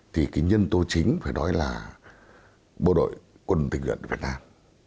thì cái nhân tố chính phải nói là bộ đội quân tình nguyện việt nam